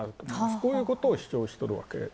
こういうことを主張している。